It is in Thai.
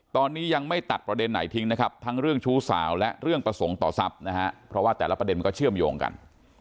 ตอนนี้ยังไม่ตัดประเด็นไหนทิ้งนะครับทั้งเรื่องชู้สาวและเรื่องประสงค์ต่อทรัพย์นะฮะเพราะว่าแต่ละประเด็นมันก็เชื่อมโยงกัน